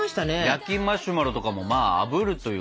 焼きマシュマロとかもまああぶるというか。